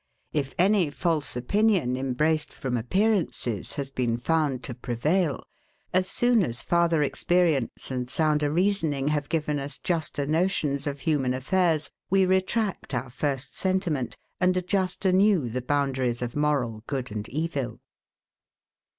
If any false opinion, embraced from appearances, has been found to prevail; as soon as farther experience and sounder reasoning have given us juster notions of human affairs, we retract our first sentiment, and adjust anew the boundaries of moral good and evil.